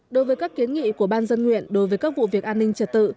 đối với các kiến nghị của ban dân nguyện đối với các vụ việc an ninh trật tự